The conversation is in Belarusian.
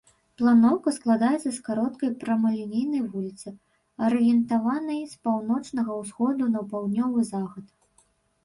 Планоўка складаецца з кароткай прамалінейнай вуліцы, арыентаванай з паўночнага ўсходу на паўднёвы захад.